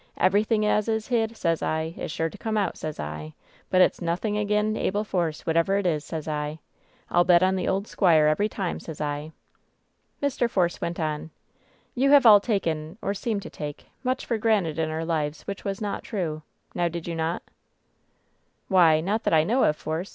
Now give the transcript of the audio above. Everything as is hid, sez I, is sure to come out, sez I; but it's nothing ag'in Abel Force, what ever it is, sez I. I'll bet on the old squire every time, sez I." Mr. Force went on : "You have all taken — or seemed to take — ^much for granted in our lives which was not true. Now did you not «" "Why — ^not that I know of, Force.